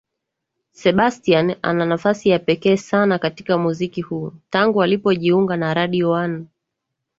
Sebastian ana nafasi ya pekee sana katika muziki huu tangu alipojiunga na Radio one